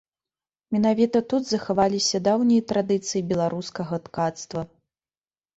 Менавіта тут захаваліся даўнія традыцыі беларускага ткацтва.